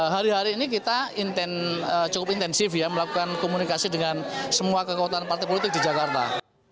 hari hari ini kita cukup intensif ya melakukan komunikasi dengan semua kekuatan partai politik di jakarta